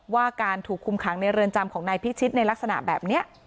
ว่าการถูกคุมขังในเรือนจำของนายพิชิตในลักษณะแบบนี้